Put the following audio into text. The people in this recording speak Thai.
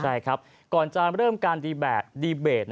ใช่ครับก่อนจะเริ่มการดีแบบดีเบต